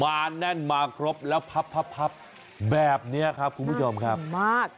แน่นมาครบแล้วพับพับแบบนี้ครับคุณผู้ชมครับมาก